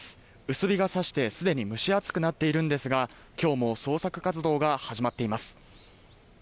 薄日が差して、すでに蒸し暑くなっているんですが今日も捜索活動が始まっています。